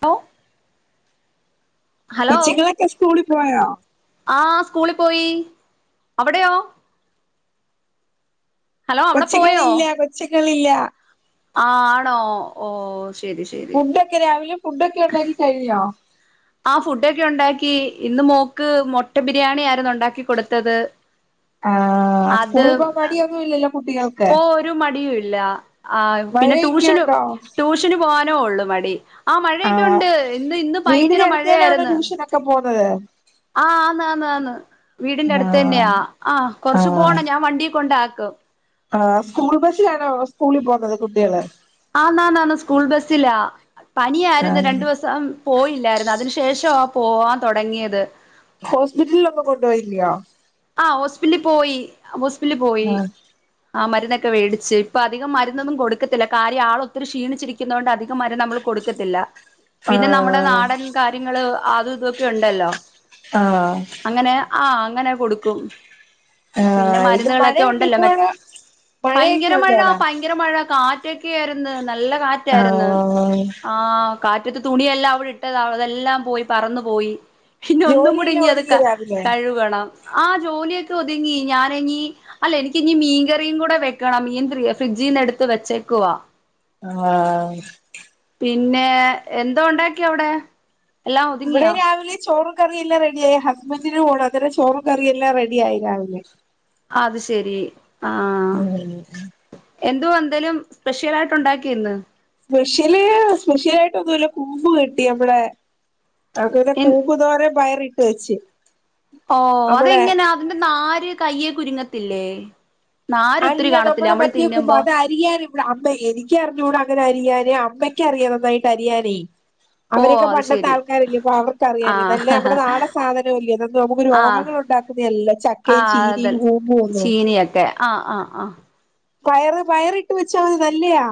പോ കൊച്ചിങ്ങളൊക്കെ സ്കൂള് പോയോ? ആഹ് സ്കൂള് പോയി. അവടെയോ? ഹലോ അവിടെ പോയോ കൊച്ച്ങ്ങളില്ല കൊച്ച്ങ്ങളില്ല. ആണോ ഓ ശരി ശരി ക്കെ രാവിലെ ഫുഡൊക്കെ ഉണ്ടാക്കി കഴിഞ്ഞോ? ആ ഫുഡൊക്കെ ഒണ്ടാക്കി. ഇന്ന് മോക്ക് മൊട്ട ബിരിയാണിയാരുന്ന് ഒണ്ടാക്കി കൊടുത്തത്. ആ സ്കൂളിൽ പോവാൻ മടിയൊന്നുഇല്ലല്ലോ കുട്ടികൾ ഓ ഒരു മടിയുമില്ല. ആ പിന്നെ മഴയൊക്കെ ട്യൂഷന് ഉണ്ടോ ട്യൂഷ ഷെന് പോവാനോള്ളു മടി. ആ മഴയൊക്കെയൊണ്ട്. ഇന്ന് ഇന്ന് ഭയങ്കര മഴയാരുന്നു. ഇപ്പ പോന്നത് ആഹ് ആന്നാന്നാന്ന് വീടിന്റെ ആ അടുത്ത് തന്നെയാ. ആ കൊറെച്ചു പോണം. ഞാൻ വണ്ടീ കൊണ്ടാക്കും. ആ സ്കൂൾ ബസ്സിലാണോ സ്കൂളിൽ പോന്നത് കുട്ടികള്? ആന്നാന്നാന്ന് സ്കൂൾ ബസിലാ. ആ പനിയാരുന്നു രണ്ടുവസം. പോയില്ലാരുന്ന്. അതിന് ശേഷവാ പോവാൻ തൊടങ്ങിയത്. ഹോസ്പിറ്റലിലൊന്നും കൊണ്ടുപോയില്യാ. ആ ഹോസ്പില് പോയി. ഹോസ്പിറ്റില് പോയി. ആ ആ മരുന്നൊക്കെ വേടിച്ച്. ഇപ്പ അധിക മരുന്നൊന്നും കൊടുക്കത്തില്ല. കാര്യം ആൾ ഒത്തിരി ക്ഷീണിച്ചിരി ക്കുന്നോണ്ട് അധികം മരുന്ന് നമ്മള് കൊടുക്കത്തില്ല. ആ പിന്നെ നമ്മടെ നാടൻ കാര്യങ്ങള് അതും ഇതൊക്കെയൊണ്ടല്ലോ. ആഹ് അങ്ങനെ ആ അങ്ങനെ കൊടുക്കും. ആ പിന്നെ ഇത് മരുന്നുകളെക്കെ മഴയുണ്ട് ഉണ്ടല്ലോ. മേറ്റ് ഇപ്പോഴ് മഴയൊക്കെ പയങ്കര ഉണ്ടോ മഴ അവിടെ പൈ ങ്കര മഴ. കാറ്റൊക്കെയാരുന്നു നല്ല ആ കാറ്റാരുന്ന്. ആ കാറ്റത്ത് തുണിയെല്ലാം അവെടെയിട്ടതാ. അതെല്ലാം പോയി. പറന്ന് പോയി. പിന്നെ ഒന്നും കൂടി ജോലിയെല്ലാം ഇനി അത് ഒതുങ്ങിയോ രാവിലെ കഴുകണം. ആ ജോലിയൊക്കെ ഒതുങ്ങി. ഞാനിനി. അല്ല എനിക്കിനി മീൻ കറിയും കൂടെ വെക്കെണം. മീൻ ഫ്രിഡ്ജീന്നെടുത്ത് വെച്ചേക്കുവാ. ആഹ് പിന്നെ എന്തോ ഒണ്ടാക്കി അവടെ? ഇവടെ രാവിലെ ചോറ്. കറി എല്ലാം റെഡിയായി. ഹസ്ബൻഡിന് പോണം. അന്നേരം ചോറും കറിയെല്ലാം റെഡിയായി രാവിലെ. അത് ശെരി. [unintelligible] എന്തുവാ എന്തേലും സ്പെഷ്യൽ ആയിട്ട് ഉണ്ടാക്കിയോയിന്ന്. സ്പെഷ്യല് സ്പെഷ്യലായിട്ടൊന്നുല്ല. കൂമ്പ് കിട്ടി നമ്മെടെ അക്കന്നെ കൂമ്പ്. കൂമ്പുതോരൻ പയറിട്ട് വെച്ച്. ഓ നമ്മടെ അതെങ്ങനാ. അതിന്റെ നാര് കയ്യെ കുരുങ്ങത്തില്ലേ? നാര് ഒത്തിരി കാണത്തില്ലേ, നമ്മെള് തിന്നുമ്പോ? അരിയാനിവടെ അമ്മ എനിക്കറിഞ്ഞൂടാ അങ്ങനെ അരിയാനേ. അമ്മയ്ക്കറിയാ നന്നായിട്ട് അരിയാനേ. ഓ അവെരെക്കെ അത് പണ്ടത്തെ ശരി ആൾക്കാരല്ലേ. അപ്പ ആ അവെർക്കറിയാലേ. ഇതെല്ലേ നമ്മെടെ നാടാൻ സാധനവല്ലേ. ഇതീന്ന്, നമ്മെക്ക് ആ രോഗങ്ങള് ഉണ്ടാ എല്ലാ ആ ചക്കയും, ചീനിയും കൂമ്പും ഒന്നു ആഹ് ആ ആ. പയറ് പയറിട്ട് വെച്ചാൽ നല്ലയാ.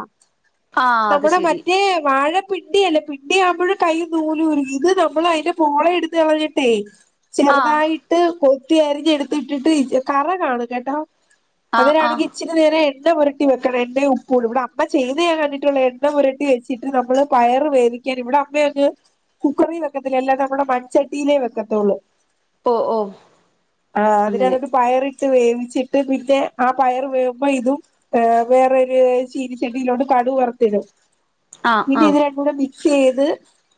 ആ അത് നമ്മുടെ ശരി മറ്റേ വാഴ പിണ്ടി അല്ലേ. പിണ്ടി ആവുമ്പോഴും കയ്യിൽ നൂലൂകുരുങ്ങും. ഇത് നമ്മൾ അതിന്റെ പോള എടുത്ത് കളഞ്ഞിട്ടേ, ആ ചെറുതായിട്ട് കൊത്തി അരിഞ്ഞു എടുത്തിട്ടിട്ട്, കറ കാണും കേട്ടോ. ആ ആ അങ്ങനാണെങ്കി ഇച്ചിരി നേരം എണ്ണ പുരട്ടി വെക്കണം. എണ്ണയും ഉപ്പൂടെ, ഇവിടെ അമ്മ ചെയ്യുന്നത് ഞാൻ കണ്ടിട്ടുള്ളതാ. എണ്ണ പുരട്ടി വെച്ച് ട്ട് നമ്മള് പയറ് വേവിക്കാൻ. ഇവിടെ അമ്മയങ്ങ് കുക്കറിവെക്കത്തില്ല. എല്ലാം നമ്മുടെ മൺചട്ടിയിലേ വെക്കത്തൊള്ളൂ. ഓ ഓ ആ അങ്ങനെ അതിനകത്ത് പയറിട്ട് വേവിച്ചിട്ട്. പിന്നെ ആ പയർ വേവു മ്പ ഇതും വേറൊരു ചീനിച്ചട്ടിയിലോട്ട് കടു വറുത്തിടും. ആ ആ പിന്നെ ഇത് രണ്ടു കൂടെ മിക്സ് ചെയ്ത്,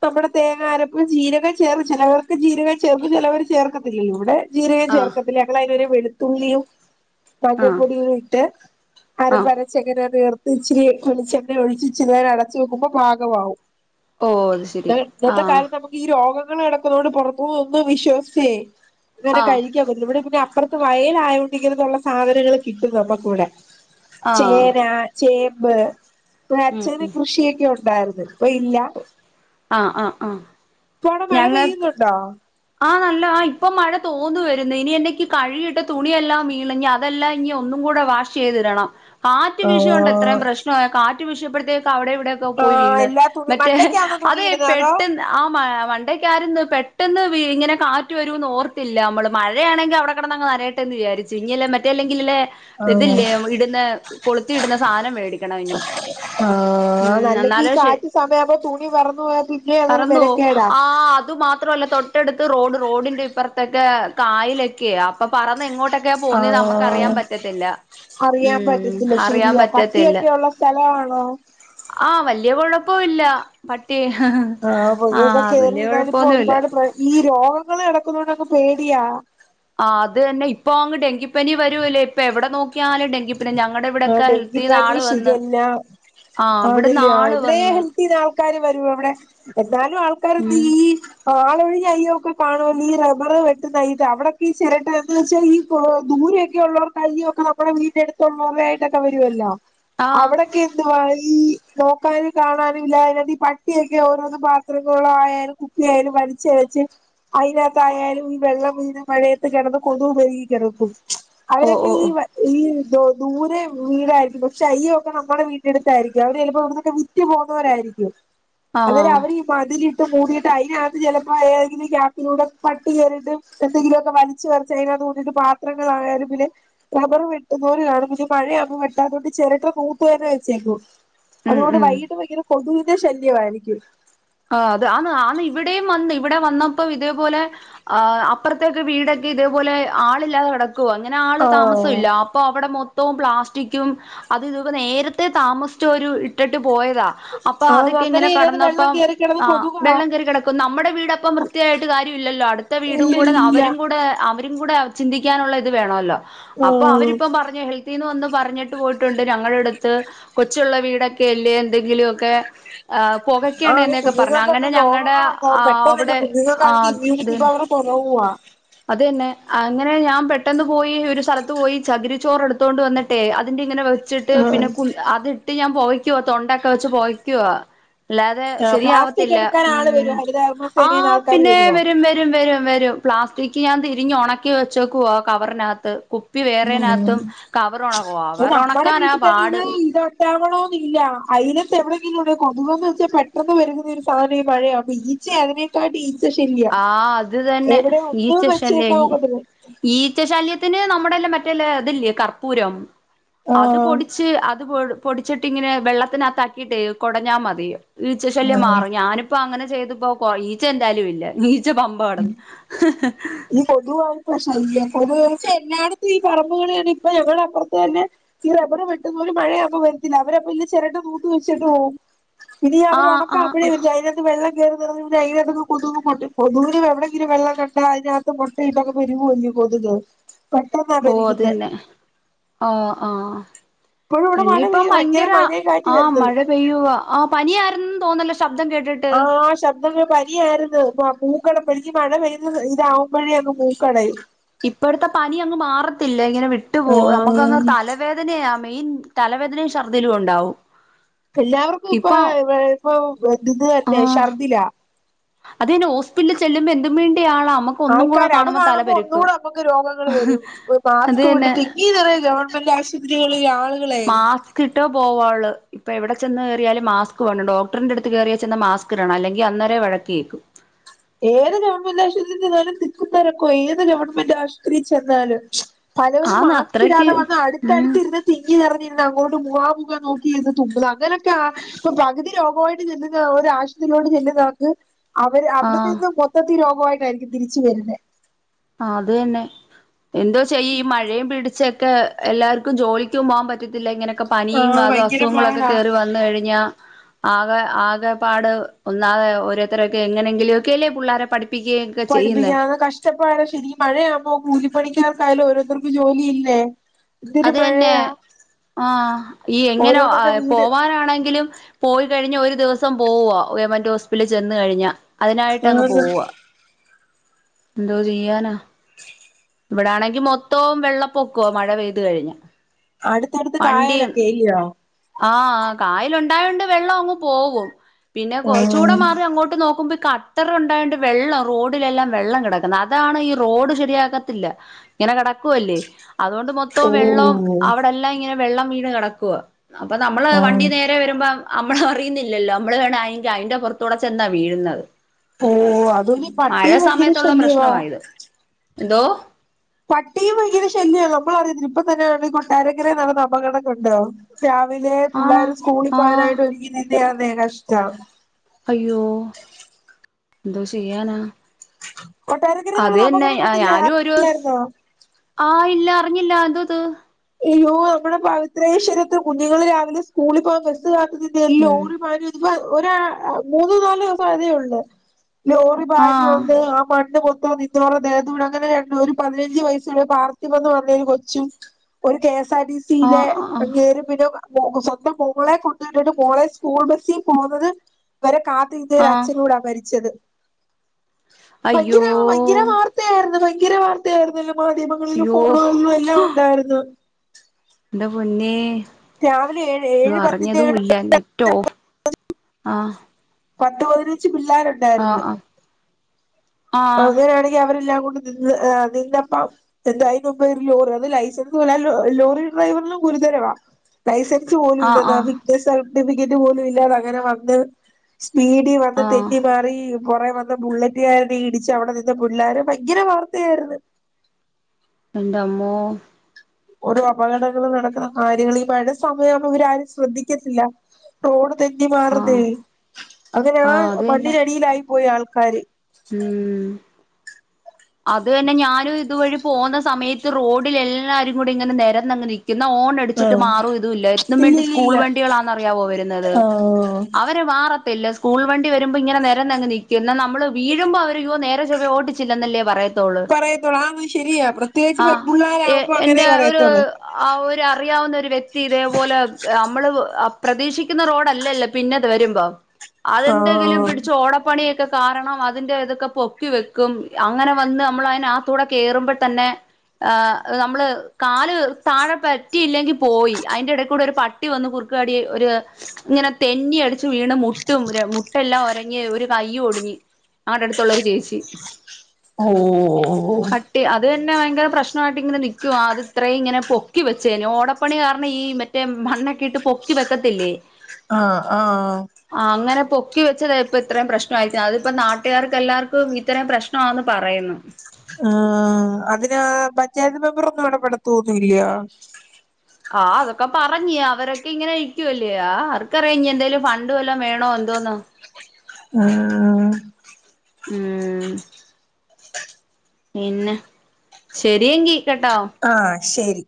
നമ്മുടെ തേങ്ങ അരപ്പ് ജീരകം ചേർക്കു ചിലവർക്ക് ജീരകം ചേർക്കു, ചിലവര് ചേർക്കത്തില്ല. ഇവിടെ, ജീരകം ആ ചേർക്കത്തില്ല. ഞങ്ങള് അതിനു പകരം വെളുത്തുള്ളിയും, ആ മഞ്ഞപ്പൊടിയും, ട്ട് ആ അരപ്പ് അര ചങ്ങ് ചേർത്ത് ഇച്ചിരി വെളിച്ചണ്ണ ഒഴിച്ച്, ഇച്ചിരി നേരം അടച്ചു വെക്കുമ്പോ പാകമാവും. ഓ അത് ശരി ആ ഇന്നത്തെ കാലത്ത് നമ്മ ഈ രോഗങ്ങൾ കിടക്കണ കൊണ്ട് പുറത്തു പോവുമ്പ വിശ്വസിച്ചേ ഇങ്ങനെ ആ കഴി ക്കാൻ പറ്റില്ല. ഇവിടെ പിന്നെ അപ്പറത്ത് വയലായ കൊണ്ട്, ഇങ്ങനുള്ള സാധനങ്ങൾ കിട്ടും നമ്മുക്കിവിടെ. ആ ചേന, ചേമ്പ് ഇവിടെ ഉം അച്ഛന് ഉം കൃഷിയൊക്കെ ഒ ണ്ടായിരുന്നു. ഇപ്പം ഇല്ല. ആഹ് ആ ആ. ഇപ്പ അവിടെ മഴ പെയ്യുന്നുണ്ടോ? ആ നല്ല ആ ഇപ്പൊ മഴ തോന്നു വരുന്നു. ഇനി എനിക്ക് കഴുകിയിട്ട തുണിയെല്ലാം ഇളിഞ്ഞ അതെല്ലാം ഇനി ഒന്നും കൂടെ വാഷ് ചെയ്തിടണം. കാറ്റ് വിശിയ കൊണ്ടാ ആഹ് ഇത്രയും പ്രശ്നമായേ. കാറ്റ് വിശിയപ്പോഴത്തേക്ക് അവിടെ ഇവിടെ ത്തം പോയി ആഹ് വീണ്. എല്ലാ തുണി മറ്റേ മണ്ടയ്ക്കാന്നോ തുണി അതെ ഇടുന്നെ അതോ പെട്ടന്ന് ആ മണ്ടക്കായിരുന്നു പെട്ടെന്ന് ഇങ്ങനെ കാറ്റ് വരു എന്ന് ഓർത്തില്ല നമ്മള്. മഴയാണെങ്കില് അവിടെ കിടന്ന് അങ്ങ് നനയട്ടെ എന്ന് വിചാരിച്ചു. ഇനിയല്ലേ മറ്റേല്ലെങ്കിലല്ലേ, ആഹ് ഇതില്ലേ നമ ഇടുന്ന കൊളുത്തി ഇടുന്ന സാധനം മേടിക്കണം ഇനി. ആ ഉം അല്ലെങ്കി ഈ എന്നാലേ ശെ കാറ്റ് സമയം ആകുമ്പോ, തുണി പറന്നു പോയാൽ പിന്നെ അതൊരു മെനക്കേടാ.. ത്രൊല്ല, തൊട്ടടുക്ക് റോഡ്, റോഡിന്റെ ഇപ്പുറത്തൊക്കെ കായലൊക്കെയാ. അപ്പൊ പറന്ന് എങ്ങോ ട്ടെക്കയാ പോന്നേന്ന് നമുക്ക് അറിയാൻ ആഹ് പറ്റത്തില്ല. അറിയാൻ പറ്റത്തില്ല ശരിയാ. പട്ടിയൊക്കെ ഉള്ള സ്ഥലം ആണോ? ആ വല്യ കുഴപ്പം ഇല്ല. പട്ടി ഹ് ഹ് ആഹ് ആ പുഴയൊക്കെ കേറി വല്യ ഇരുന്നാല് ഇപ്പൊ കുഴപ്പമൊന്നുമില്ല. ഒരുപാട് പ്ര ഈ രോഗങ്ങള് കെടക്കുന്നതു കൊണ്ട് ക്ക പേടിയാ. ആ അതു തന്നെ ഇപ്പോ അങ്ങ് ഡെങ്കിപ്പനി വരൂവല്ലേ? ഇപ്പൊ എവിടെ നോക്കിയാലും ഡെങ്കി ആ ഡെങ്കിപ്പനി, ഷിഗല്ല ആഹ് ആ ഇവിടുന്ന് അതല്ലിയോ ആള് ഇവിടെയും വന്ന് ഹെൽത്തിന്ന് ആൾക്കാര് വരുവ ഇവിടെ. എന്നാലും ആൾക്കാര് ഉം ഈ ആളൊഴിഞ്ഞ അയ്യം ഒക്കെ കാണുവല്ലോ. ഈ റബറ് വെട്ടുന്ന [unintelligible] അവിടൊക്കെ ഈ ചിരട്ട [unintelligible] വെച്ചാൽ ഈ ദൂരെയൊക്കെയുള്ളവർക്ക് അല്ലിയോ നമ്മുടെ വീട്ടെടു [unintelligible] വരുല്ലോ ആഹ് അവിടൊക്കെ ഈ നോക്കാനും കാണാനും ഇല്ലാതെ അതിനകത്ത് പട്ടിയൊക്കെ ഓരോ പാത്രങ്ങള് ആയാലും കുപ്പി ആയാലു വലിച്ച് എഴച്ച് അതിനകത്തായാലും ഈ വെള്ളം ഇങ്ങനെ മഴയത്ത് കെടന്ന് കൊതുകു പെരികി കിടക്കും. ഓ അവരൊക്കെ ഓ ഈ ഓ ഈ ദൂരെ വീടായിരിക്കും പക്ഷെ അയ്യം ഒക്കെ നമ്മുടെ വീടിന്റെ അടുത്തായിരിക്കും. അവര്ചിലപ്പോ ഇവിടന്നൊക്കെ വിറ്റു പോകുന്നവരായിരിക്കും. അന്നേരം ആഹ് അവര് മതിലിട്ട് മൂടിയിട്ട് അതിനകത്ത് ചെലപ്പോ ഏതെങ്കിലും ഗ്യാപ്പിലൂടെ പട്ടി കേറിട്ട് എന്തെങ്കിലുയൊക്കെ വലിച്ച് പറിച്ച് അതിനകത്ത് കൊണ്ടിട്ട് പത്രങ്ങളായാലും പിന്നെ റബ്ബർ വെട്ടുന്നോര് കാണും. പക്ഷെ മഴയാവുമ്പം വെട്ടാതുകൊണ്ട് ചിരട്ട നൂത്തു തന്നെ വെച്ചേക്കും. ഉം അതുകൊണ്ട് ഉം വൈകിട്ട് ഭയങ്കര കൊതുവിന്റെ ശല്യമായിരിക്കും ആഹ് അത് ആന്ന് ആന്ന് ഇവിടെയും വന്ന് ഇവിടെ വന്നപ്പോ ഇതേപോലെ- ആ അപ്പുറത്തേക്കെ വീടൊക്കെ ഇതേപോലെ ആളില്ലാതെ കെടക്കുവ ഇങ്ങനെ ആള് താമസ ആഹ് ഇല്ല അപ്പൊ അവിടെ മൊത്തവും പ്ലാസ്റ്റിക്കും അത് ഇതും നേരത്തെ താമസിച്ചവരു ഇട്ടിട്ട് പോയതാ അപ്പൊ ആഹ് അതൊക്കെ അന്നേരം ഇങ്ങനെ ഇതിനകത്ത് വെള്ളം കെടന്നപ്പം കേറി കിടന്ന് ആ കൊതുകാ വെള്ളം കേറി കിടക്കും നമ്മുടെ വീടപ്പം വൃത്തിയായിട്ട് കാര്യം ഇല്ലല്ലോ അടുത്ത വീടും കൂടെ ഇല്ലില്ലില്ല അവരും കൂടെ അവരും- അവരുംകൂടെ ചിന്തിക്കാനുള്ള ഇത് വേണല്ലോ അപ്പൊ ഉം അവരിപ്പ പറഞ്ഞു ഹെൽ - ഹെൽത്തിന്ന് വന്ന് പറഞ്ഞിട്ട് പോയിട്ടുണ്ട് ഞങ്ങളടെ അടുത്ത് കൊച്ചുള്ള വീടൊക്കെ അല്ലേ എന്തെങ്കിലുമൊക്കെ ആ പൊകക്കണ എന്നൊക്കെ- പറഞ്ഞു അങ്ങനെ കുഞ്ഞുങ്ങക്കൊക്കെ ഞങ്ങളുടെ രോഗങ്ങള് ഉണ്ടാവും പെട്ടെന്നില്ല അവിടെ ആ കുഞ്ഞുങ്ങൾക്കാണെങ്കി അത് ഇമ്മ്യൂണിറ്റി തന്നെ പവർ കൊറവുവാ- അത് തന്നെ അങ്ങനെ ഞാൻ പെട്ടെന്ന് പോയി ഒരു സ്ഥലത്ത് പോയി ചകിരിച്ചോറ് എടുത്തോണ്ട് വന്നിട്ടെ അതിന്റെ ഇങ്ങനെ- വെച്ചിട്ട് ആഹ് പിന്നെ കു അത്ട്ട് ഞാൻ പൊകക്കുവാ തൊണ്ടൊക്കെ വെച്ച് പൊകയ്ക്കുവ അല്ലാതെ പ്ലാസ്റ്റിക് ശരിയാവത്തില്ല എടുക്കാൻ ആള് ഉം വരുവോ ഹരിതകർമ്മ ആ സേനേന്ന് ആൾക്കാര് പിന്നേ വരുവോ വരും വരും വരും വരും വരും പ്ലാസ്റ്റിക് ഞാൻ തിരിഞ്ഞ് ഒണക്കി വെച്ചക്കവാ കവറിനകത്ത് കുപ്പി ഉം വേറെതിനകത്തും കവർ കവറ് ഒണക്കാനാ പാട് കിട്ടാവ [unintelligible] ണോ എന്നില്ല അയിലത്തു എവിടെയെങ്കിലും കൊതുക്ന്ന് വെച്ചാൽ പെട്ടെന്ന് പെരുകുന്ന ഒരു സാധനം ഈ മഴയാവുമ്പോ അപ്പൊ- ഈ ഈച്ച അതിനേക്കാട്ടീ ഈച്ച ശല്ല്യം ആഹ് അത് തന്നെ എവിടെ ഒന്നും വെച്ചേക്കാ നോക്കത്തില്ല ഈച്ച ശല്യത്തിന് നമ്മുടെയില്ലേ മറ്റേയില്ല ഇതില്ലിയോ കർപ്പൂരം അത് ആഹ് പൊടിച്ച് അത് പൊ പൊടിച്ചിട്ട് ഇങ്ങനെ വെള്ളത്തിനകത്താക്കിട്ട് കൊടഞ്ഞാ മതി ഈച്ച ശല്യം ആഹ് മാറും ഞാനിപ്പോ അങ്ങനെ ചെയ്തിപ്പോ ഈച്ച എന്തായാലും ഇല്ല. ഈച്ച പമ്പ കടന്ന് ഈ കൊതുവാവുമ്പോ ശല്ല്യം കൊതു എല്ലായിടത്തും ഈ പറമ്പുകളെയാണ് ഇപ്പൊ ഞങ്ങളടെ അപ്പുറത്ത് തന്നെ- ഈ റബ്ബറ് വെട്ടുന്നോര് മഴയാവുമ്പോ വരത്തില്ല അവരപ്പ ഇന്ന് ചിരട്ട നൂത്ത് വെച്ചിട്ട് പോവും ഇനി അവര് ആഹ് ആഹ് ഒണക്കയുമ്പോഴെ വരും- ത് വെള്ളം കയ [unintelligible] റി അയ്യിലന്ന് കൊതുട്ട കൊതുകിന് എവിടെങ്കിലും ഒരു വെള്ളം കണ്ടാ - അതിനകത്ത് മൊട്ടയിട്ട് അങ്ങ് പെരുകൂല്ലേ കൊതുക് പെട്ടെന്ന്- ഓഹ് അത് തന്നെ ആഹ് ആഹ് ഇപ്പോഴും ഇവിടെ മഴ പിന്നെയിപ്പ പെയ്യും ഭയങ്കര മഴയും ആ കാറ്റും ആയിരുന്നു മഴ- പെയ്യുവാ ആ പനിയായിരുന്ന് തോന്നുവല്ലോ ശബ്ദം കേട്ടിട്ട് ആഹ് ശബ്‌- എന്തോന് പനിയായിരുന്നു മൂക്കടപ്പ് എനിക്ക് മഴ പെയ്യുന്ന ഇതാവുമ്പോഴേ അങ് മൂക്കടയും ഇപ്പടുത്തെ പനി അങ്ങ് മാറത്തില്ല ഇങ്ങനെ വിട്ടുപോ നമുക്ക് അങ്ങ് ആഹ് തലവേദന വേദനയാ മെയിൻ തലവേദനയും ഛർദിലും ഉണ്ടാവും എല്ലാവർക്കും ഇപ്പ ഇപ്പൊ ഇപ്പൊ ബ്ലഡ്‌ന്ന് തന്നെ ഛർദില അതിന് ഹോസ്പിറ്റലിൽ ചെല്ലുമ്പോ എന്തും വേണ്ടി ആളാ നമ്മ - ആൾക്കാര് അത് കാണുമ്പോ ഒന്നുകൂടെ നമ്മുക്ക് രോഗങ്ങൾ വരും അത് മാസ്ക് വിട്ട് തന്നെ തിങ്ങീ നിറഞ്ഞ് ഗവൺ- ഗവണ്മെന്റ് ആശുപത്രികള് രാവിലെ ആ- മാസ്ക്ട്ടോ പോവാവുള്ളു ഇപ്പൊ എവിടെ ചെന്ന് കേറിയാലും മാസ്ക് വേണം ഡോക്ടറിന്റെ അടുത്ത് കേറിയാൽ ചെന്ന് മാസ്ക് ഇടണം അല്ലെങ്കിൽ അന്നേരെ വഴക്ക് കേക്കും ഏത് ഗവൺമെന്റ് ആശുപത്രിയിൽ ചെന്നാലും തിക്കും തിരക്കും ഏത് ഗവൺമെന്റ് ആശുപത്രിയിൽ ചെന്നാല് പലവരും ആന്ന് അത്രയ്ക്ക് മാസ്ക്കിടാതെ വന്ന് ഉം അടുത്തടുത്ത് ഇരുന്ന്- തിങ്ങി നിറഞ്ഞിരുന്ന് അങ്ങോട്ട് മുഖാമുഖം നോക്കിയിരുന്ന് തുമ്മൽ അങ്ങനൊക്കെണ് ഇപ്പൊ പകുതി രോഗമായിട്ട് ചെല്ലുന്ന ഒരു ആശുത്തി ലോട്ട് ചെല്ലുന്നവർക്ക് അവര് അവിടെ ആഹ് നിന്ന് മൊത്തത്തി രോഗമായിട്ടായിരിക്കും തിരിച്ചു വരുന്നേ ആ അത് തന്നെ എന്തോചെയ്യാ ഈ മഴയും പിടിച്ചെ ക്കെ എല്ലാർക്കും ജോലിക്കും പോവാൻ പറ്റത്തില്ല ഇങ്ങനെയൊക്കെ ആ പനിയും അത് ഭയങ്കര അസുഖങ്ങളൊക്കെ പാടാ കേറി വ വന്ന് കഴിഞ്ഞാ ആകെ ആകെ പാട് ഒന്നാകെ ഓരോരുത്തരൊക്കെ എങ്ങനെങ്കിലു ഒക്കെ അല്ലേ പിള്ളോര പഠി പഠിപ്പിക്കാതെ കഷ് [unintelligible] മഴാ വു പ്പോ കൂലി പണിക്കാർക്ക് ആ യാലും ഓരോത്തർക്ക് ജോലി ഇല്ലേ അത് തന്നെ ആഹ് ഈ എങ്ങനെ ഓരോന്നൊക്കെ വീട് പോവാനാണെങ്കിലും പോയി കഴിഞ്ഞ ഒരു ദിവസം പോവുവാ ഗവൺമെന്റ് ഹോസ്പിറ്റലിൽ ചെന്ന് കഴിഞ്ഞാൽ അതിനായിട്ട് അങ്ങ് ആന്ന് പോവ്വാ എന്തോ ചെയ്യാന ഇവിടാണെങ്കി മൊത്തവും വെള്ളപ്പൊക്കവാ മഴ പെയ്തു കഴിഞ്ഞ അടുത്തടുത്ത് കായലൊക്കെ ഇല്ലിയോ ആ കായലുണ്ടായൊണ്ട് വെള്ളം അങ്ങ് പോവും പിന്നെ കുറച്ച് കൂടെ ആഹ് മാറി അങ്ങോട്ട് നോക്കുമ്പോ ക ട്ടറ് ഉണ്ടായോണ്ട് വെള്ളം റോഡിലെല്ലാം വെള്ളം കടക്കുന്ന് അതാണ് ഈ റോഡ് ശരിയാക്ക ത്തില്ല ഇങ്ങനെ കിടക്കുവല്ലേ അതുകൊണ്ട് ഓ മൊത്തവും വെള്ളവും അവിടെല്ലാം ഇങ്ങനെ വെള്ളം വീണ് കിടക്കുവാ അപ്പ നമ്മള് വണ്ടി ആഹ് നേ രെ വരുമ്പം നമ്മള് അറിയുന്നില്ലല്ലോ നമ്മള് വേണം അയിന്റെ അയിന്റെ പുറത്തൂട ചെന്നാ വീഴുന്ന ഓ അതുപോലെ ഈ മഴ പട്ടിയും ഭയങ്കര സമയത്തുള്ള ശല്യവാ പ്രശ്നമായിത് എന്തോ പട്ടിയും ഭയങ്കര ശല്യവാ നമ്മളറിയത്തില്ല ഇപ്പൊ തന്നെ ഈ കൊട്ടാരക്കര നടന്ന അപകടം കണ്ടോ രാവിലെ ആണോ പുള്ളാര് സ്കൂളിൽ ആഹ് പോവാനായിട്ട് ഒരുങ്ങി നിന്ന ആന്നെ കഷ്ടം അയ്യോ എന്തോ ചെയ്യാനാ കൊട്ടാരക്കരയിൽ അത് നടന്ന തന്നെ അപകടം കണ്ടില്ലേ ഞാനും ഒരു സ് അറിഞ്ഞായിരുന്നോ ആ ഇല്ല അറിഞ്ഞില്ല എന്തുവാ ഇത് അയ്യോ നമ്മുടെ പവിത്രേശ്വരത്ത് കുഞ്ഞുങ്ങൾ രാവിലെ സ്കൂളിൽ പോവാൻ ബസ്സ് കാത്ത് നിന്ന ഉം ലോറി പാഞ് വന്ന് ഇപ്പൊ ഒരാ മൂന്ന് നാല് ദിവസം ആയതേ ഒള്ളൂ ലോറി പാഞ്ഞ് ആഹ് വന്ന് ആ മണ്ണ് മൊത്തം നി ന്നോരെ ദേഹതൂടെ അങ്ങനെ ഒരു പതിനഞ്ചു വയസ്സുള്ള പാർത്ഥിവന്ന് പറഞ്ഞ ഒരു കൊച്ചും ഒരു K S R T C യിലെ ആഹ് ആഹ് ആഹ് അങ്ങേര് പി സ്വന്തം മോളെ കൊണ്ട് വിട്ടിട്ട് മോളെ സ്കൂൾ ബസ്സിൽ പോന്നത് വരെ കാത്ത് നിന്ന ഒരു ആഹ് അച്ഛനൂടാ മരിച്ചത് ഭയങ്കര അയ്യോ ഭയങ്കര വാർ വാർത്തയായിരുന്നു ഭയങ്കര വാർത്തയായിരുന്നല്ലോ മാധ്യമങ്ങളിലും അയ്യോ ഫോണുകളിലും എല്ലാം ഉണ്ടായിരുന്നു എന്റെ പൊന്നേ രാവിലെ ഏഴ് ഇത് ഏഴ് പത്തിന്റെ അറിഞ്ഞതും ഇല്ല നെ റ്റ് ഓഫ് ആഹ് പത്ത് പതിനഞ്ച് പിള്ളാര് ണ്ട് ആഹ് ആഹ് ആഹ് അങ്ങനെയാണെങ്കി അവരെല്ലാം കൂടി നിന്ന് നിന്നപ്പം എന്ത അതിന് മുമ്പ് ഒരു ലോറി അത് ലൈസൻസ് ഇല്ല ലോറി ഡ്രൈവറിനും ഗുരുതരവാ ലൈസൻസ് പോലും ആഹ് ഇല്ലാതാ ആഹ് ഫിറ്റ്നസ്സ് സർട്ടിഫിക്കറ്റ് പോലും ഇല്ലാത അങ്ങനെ വന്ന് സ്പീഡിൽ വന്ന് ആഹ് തെന്നി മാറി പൊറെ വന്ന ബുള്ളറ്റ് കാര് ഇടിച്ച് അവിടെ നിന്ന് പിള്ളാരെ ഭയങ്കര വാർത്തയായിരുന്നു എന്റമ്മോ ഓരോ അപകടങ്ങള് നടക്കുന്ന കാര്യങ്ങള് ഈ മഴ സമയമാകുമ്പോ ഇവര് ആരും ശ്രദ്ധിക്കത്തില്ല റോഡ് തെന്നി മാറുന്നെ ആഹ് അങ്ങനെ ആ ആഹ് അത് തന്നെ മണ്ണിനടിയിലായി പോയി ആൾക്കാര് ഉം അത് തന്നെ ഞാനും ഇതുവഴി പോകുന്ന സമയത്ത് റോഡിൽ എല്ലാരും കൂടെ ഇങ്ങനെ നിരന്നങ്ങ് നി ക്കും ന്നാ ഹോൺ അടിച്ചിട്ട് ആഹ് മാറു ഇതും ഇല്ല എന്തും വേണ്ടി സ്കൂൾ ഇല്ലില്ലില്ല വണ്ടികളാണന്നറിയാവോ വരുന്നത് ആഹ് അവര് മാറത്തില്ല സ്കൂൾ വണ്ടി വരുമ്പോ ഇങ്ങനെ നേരനങ് നിക്കും നമ്മള് വീഴ്മ്പോ അവര് യ്യോ നേരെ ചൊവ്വെ ഓട്ടിച്ചില്ലെന്നല്ലേ പറയ പറയത്തോളൂ ആന്ന് ശരിയാ പ്രത്യേകിച്ച് ആഹ് പെൺപുള്ളോര് എ ആകുമ്പോ എന്റെ അങ്ങനേ ഒരു പറയത്തോള്ളൂ ആ ഒരു അറിയാവുന്ന ഒരു വ്യക്തി ഇതേപോലെ നമ്മള് പ്രതീക്ഷിക്കുന്ന റോഡല്ലല്ലേ പിന്നത് വരുമ്പോ അതെന്തെങ്കിലും ആഹ് പിടിച്ച് ഓടപ്പണിയൊക്കെ കാരണം അതിന്റെ ഇതൊക്കെ പൊക്കി വെക്കും അങ്ങനെ വന്ന് നമ്മള് അതിനകത്തൂടെ കേറുമ്പോൾ തന്നെ ആ നമ്മള് കാല് താഴെ പറ്റിയില്ലെങ്കിൽ പോയി അതിന്റെ ഇടക്കൂടെ ഒരു പ പട്ടി വന്നു കുറുക്ക് ചാടിയാ ഒര് ഇങ്ങനെ തെന്നി അടിച്ച് വീണ് മുട്ടും മുട്ടെല്ലാം ഒരഞ് ഒരു കൈയ്യും ഒടിഞ് ഞങ്ങടെ അടുത്തുരള്ളരു ചേച്ചി ഓ ഓ ഓ അട്ടി അത് തന്നെ ഭയങ്കര പ്രശ്ന നായിട്ട് ഇങ്ങനെ നിക്കുവാ അത് ഇത്രയും ഇങ്ങനെ പൊക്കി വെച്ചേന് ഓടപ്പണി കാരണം ഈ മെ റ്റെ മണ്ണെക്കിട്ട് പൊക്കി വെക്കത്തില്ലേ ആഹ ആഹ് ആ അങ്ങന പൊക്കി വെച്ചത് ഇപ്പ ഇത്രയും പ്രശ്നമായിരിക്കിന്നെ അതിപ്പം നാട്ട്ക്കാർക്കെല്ലാർക്കും ഇത്രയും പ്രശ്നാന്ന് പറയുന്ന് ആ അതിന് പഞ്ചായത്ത് മെമ്പറെ ഒന്നും എടപടത്തോന്നില്ല ആഹ് അതൊക്കെ പറഞ് അവരൊക്കെ ഇങ്ങനെ ഇക്കുവല്ലേ ആ ആർക്കറിയാ ഇഞ്ഞി എന്തേലു ഫണ്ടും വല്ലോം വേണോ എന്തോന്ന് ആഹ് ഉം പിന്നെ ശരിയെങ്കി കേട്ടോ ആഹ ശെരി